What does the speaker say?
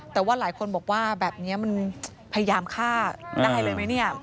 แต่ว่าหลายคนบอกว่าแบบนี้มันพยายามฆ่าได้เลยไหมเนี่ย